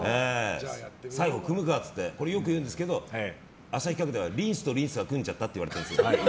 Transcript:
最後、組むかって言ってよく言うんですが浅井企画ではリンスとリンスが組んじゃったって言われてるんです。